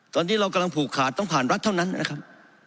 ตอนนี้เรากำลังผูกขาดต้องผ่านรัฐเท่านั้นนะครับ